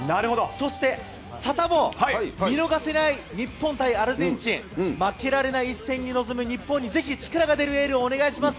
そしてサタボー、見逃せない日本対アルゼンチン、負けられない一戦に臨む日本にぜひ力が出るエールをお願いします。